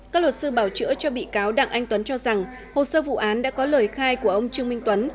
các luật sư bảo chữa cho bị cáo đặng anh tuấn cho rằng hồ sơ vụ án đã có lời khai của ông trương minh tuấn